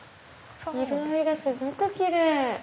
色合いがすごくキレイ！